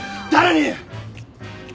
誰に！？